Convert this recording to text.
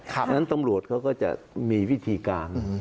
เพราะฉะนั้นตำรวจเขาก็จะมีวิธีการ